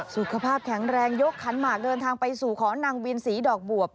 สุขภาพแข็งแรงยกขันหมากเดินทางไปสู่ขอนางวินศรีดอกบวบ